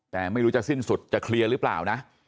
แต่ไม่รู้จะสิ้นสุดจะเคลียร์หรือเปล่านะ